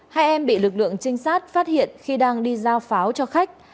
hai em bị lực lượng trinh sát phát hiện khi đang đi giao pháo cho khách